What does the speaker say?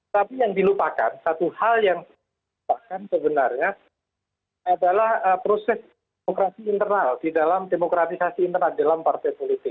tapi yang dilupakan satu hal yang dilupakan sebenarnya adalah proses demokrasi internal di dalam demokratisasi internal dalam partai politik